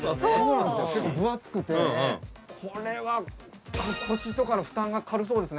結構分厚くてこれは腰とかの負担が軽そうですね。